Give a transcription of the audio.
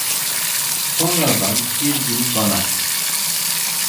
Sonradan bir gün bana: